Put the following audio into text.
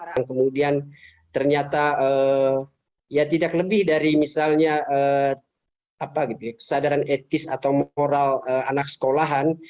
dan kemudian ternyata ya tidak lebih dari misalnya kesadaran etis atau moral anak sekolahan